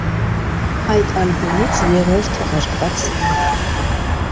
Այդ ալբոմից երրորդ թողարկված սինգլն է։